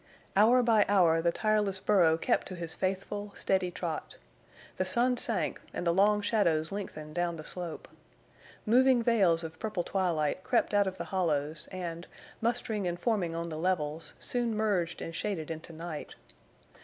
Hour by hour the tireless burro kept to his faithful, steady trot. The sun sank and the long shadows lengthened down the slope. Moving veils of purple twilight crept out of the hollows and, mustering and forming on the levels, soon merged and shaded into night.